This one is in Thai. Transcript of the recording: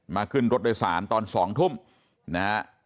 ขึ้นรถโดยสารตอน๒ทุ่มนะฮะ